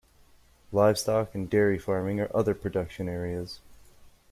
Livestock and dairy farming are other production areas.